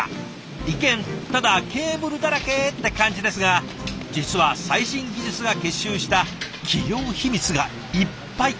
一見ただケーブルだらけって感じですが実は最新技術が結集した企業秘密がいっぱいなんだそうです。